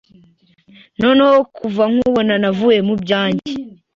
Noneho kuva nkubona navuye mubyange